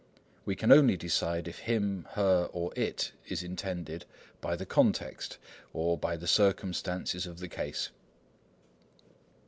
We can only decide if "him," "her," or "it" is intended by the context, or by the circumstances of the case.